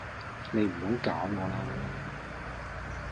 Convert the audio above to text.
你唔好搞我喇